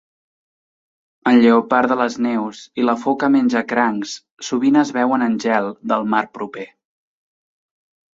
En lleopard de les neus i la foca menjacrancs sovint es veuen en gel del mar proper.